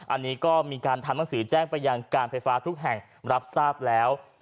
อันนี้ก็มีการทำหนังสือแจ้งไปยังการไฟฟ้าทุกแห่งรับทราบแล้ว